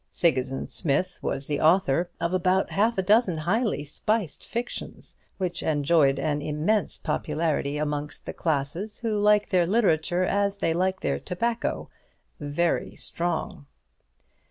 Sigismund Smith was the author of about half a dozen highly spiced fictions, which enjoyed an immense popularity amongst the classes who like their literature as they like their tobacco very strong.